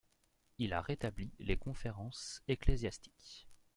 Il a rétabli les conférences ecclésiastiques.